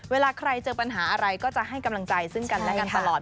เวลาใครเจอปัญหาอะไรก็จะให้กำลังใจซึ่งกันและกันตลอด